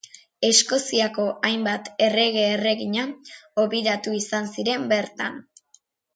Eskoziako hainbat errege erregina hobiratu izan ziren bertan.